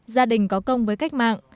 gia đình có công với cách mạng